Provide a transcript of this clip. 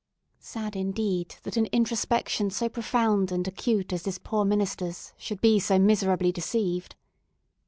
Sad, indeed, that an introspection so profound and acute as this poor minister's should be so miserably deceived!